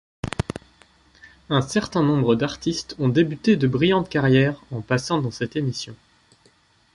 Un certain nombre d'artistes ont débuté de brillantes carrières en passant dans cette émission.